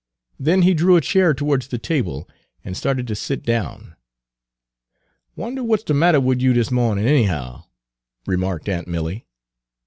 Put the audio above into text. Then he drew a chair towards the table and started to sit down. "Wonduh what's de matter wid you dis mawnin' anyhow," remarked aunt Milly.